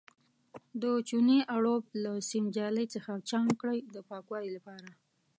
د چونې اړوب له سیم جالۍ څخه چاڼ کړئ د پاکوالي لپاره.